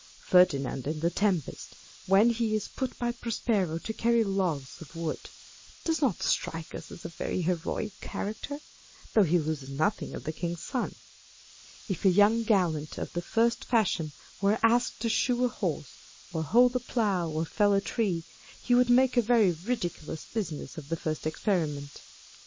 Ferdinand in the Tempest, when he is put by Prosper o to carry logs of wood, does not strike us as a very heroic character, though he loses nothing of the king's son. If a young gallant of the first fashion were asked to shoe a horse, or hold a plough, or fell a tree, he would make a very ridiculous business of the first experiment.